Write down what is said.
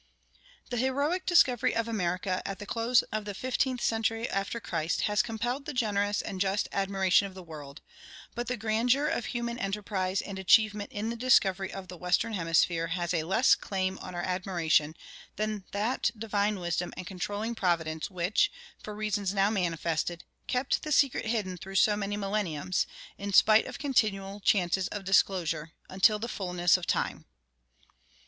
The heroic discovery of America, at the close of the fifteenth century after Christ, has compelled the generous and just admiration of the world; but the grandeur of human enterprise and achievement in the discovery of the western hemisphere has a less claim on our admiration than that divine wisdom and controlling providence which, for reasons now manifested, kept the secret hidden through so many millenniums, in spite of continual chances of disclosure, until the fullness of time.